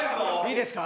いいですか？